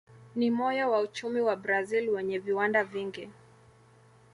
Ni moyo wa uchumi wa Brazil wenye viwanda vingi.